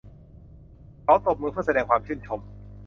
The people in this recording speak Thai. เขาตบมือเพื่อแสดงความชื่นชม